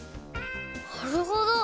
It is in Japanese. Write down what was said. なるほど！